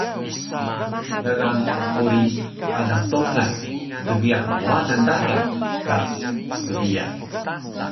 Gaga mqquri alang Tongan dgiyaq Mwanan daya ka Pgdiyan